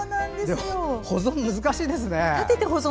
保存、難しいですね。